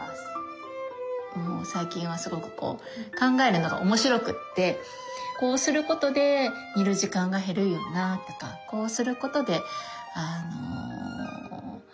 もう最近はすごくこう考えるのが面白くてこうすることで煮る時間が減るよなとかこうすることで電気は使わないなとか。